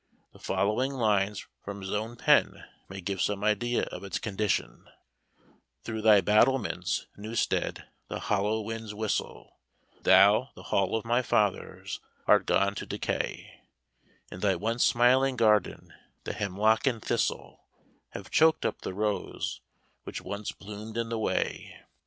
The following lines from his own pen may give some idea of its condition: "Through thy battlements, Newstead, the hollow winds whistle, Thou, the hall of my fathers, art gone to decay; In thy once smiling garden, the hemlock and thistle Have choked up the rose which once bloomed in the way.